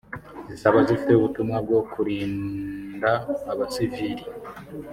zizaba zifite ubutumwa bwo kurinda abasivili